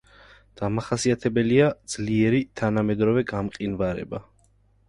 დამახასიათებელია ძლიერი თანამედროვე გამყინვარება.